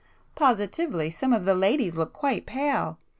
Positively, some of the ladies look quite pale!